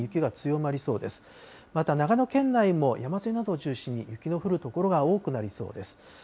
また長野県内も山沿いなどを中心に、雪の降る所が多くなりそうです。